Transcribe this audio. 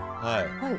はい。